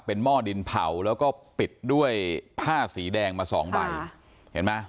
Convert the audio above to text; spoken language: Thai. หม้อดินเผาแล้วก็ปิดด้วยผ้าสีแดงมาสองใบเห็นไหม